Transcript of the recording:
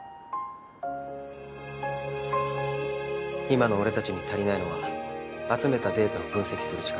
今の俺たちに足りないのは集めたデータを分析する力。